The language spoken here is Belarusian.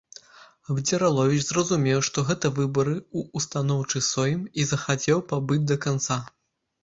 Абдзіраловіч зразумеў, што гэта выбары ў Устаноўчы Сойм, і захацеў пабыць да канца.